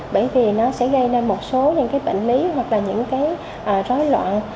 bởi vì nó sẽ gây nên một số những bệnh lý hoặc là những rối loạn